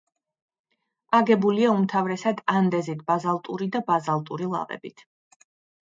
აგებულია უმთავრესად ანდეზიტ-ბაზალტური და ბაზალტური ლავებით.